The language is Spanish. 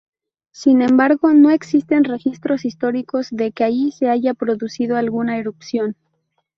Sin embargo, no existen registros históricos de que allí se haya producido alguna erupción.